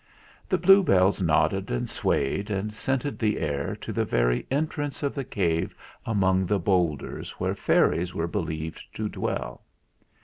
The bluebells nodded and swayed, and scented the air to the very en trance of the cave among the boulders where fairies were believed to dwell.